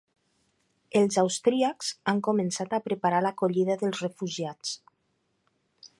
Els austríacs han començat a preparar l’acollida dels refugiats.